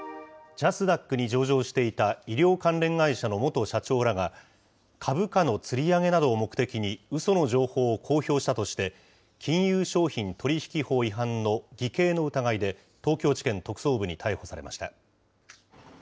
ジャスダックに上場していた医療関連会社の元社長らが、株価のつり上げなどを目的に、うその情報を公表したとして、金融商品取引法違反の偽計の疑いで、東京地検特捜部に逮捕されました。